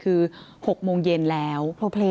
คือ๖โมงเย็นแล้ว